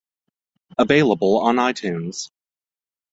Available on iTunes.